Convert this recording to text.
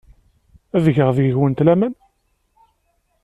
Ad geɣ deg-went laman.